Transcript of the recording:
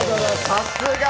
さすが。